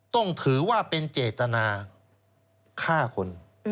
ต้องถือว่าเป็นเจตนาฆ่าคน